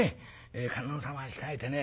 観音様控えてね